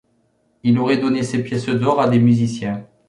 Il aurait donné ces pièces d'or à des musiciens.